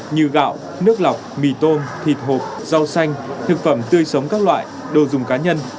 như gạo nước lọc mì tôm thịt hộp rau xanh thực phẩm tươi sống các loại đồ dùng cá nhân